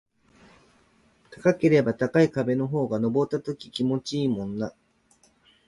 高ければ高い壁の方が登った時気持ちいいもんな